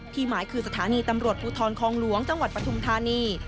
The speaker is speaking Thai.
หมายคือสถานีตำรวจภูทรคองหลวงจังหวัดปฐุมธานี